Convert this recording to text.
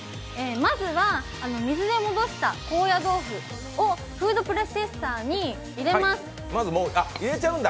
まずは水で戻した高野豆腐をフードプロセッサーに入れます。